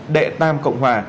đệ tam cộng hòa